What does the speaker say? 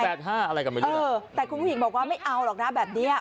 สองแปดห้าอะไรกันไม่รู้นะเออแต่คุณผู้หญิงบอกว่าไม่เอาหรอกนะแบบนี้อ่ะ